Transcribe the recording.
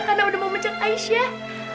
karena udah memecek aisyah